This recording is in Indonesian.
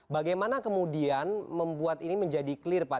bagaimana kemudian membuat ini menjadi clear pak